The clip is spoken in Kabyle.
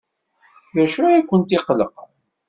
D acu ay kent-iqellqen?